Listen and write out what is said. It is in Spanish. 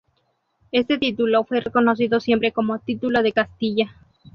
Éste título fue reconocido siempre como título de Castilla.